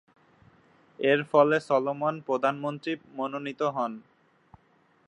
এরফলে সলোমন প্রধানমন্ত্রী মনোনীত হন।